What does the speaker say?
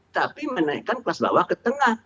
tapi menaikkan kelas bawah ke tengah